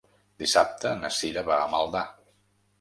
Dissabte na Cira va a Maldà.